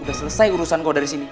udah selesai urusan kau dari sini